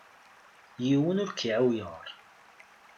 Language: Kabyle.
Yiwen ur k-iɛuyer.